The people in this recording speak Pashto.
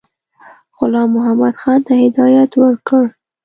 غلام محمدخان ته هدایت ورکړ.